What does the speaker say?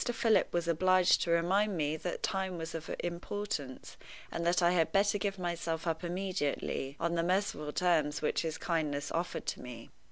Philip was obliged to remind me that time was of importance, and that I had better give myself up immediately, on the merciful terms which his kindness offered to me.